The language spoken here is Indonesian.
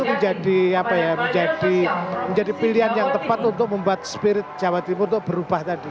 maka aja tadi proses kondisi itu menjadi apa ya menjadi pilihan yang tepat untuk membuat spirit jawa timur itu berubah tadi